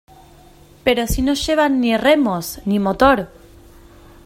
¡ pero si no llevan ni remos, ni motor!